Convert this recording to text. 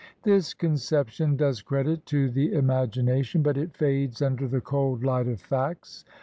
This conception does credit to the imagination, but it fades under the cold light of facts.